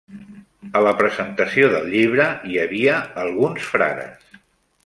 A la presentació del llibre hi havia alguns frares.